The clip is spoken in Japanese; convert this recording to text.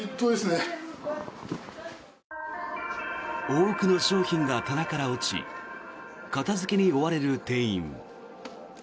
多くの商品が棚から落ち片付けに追われる店員。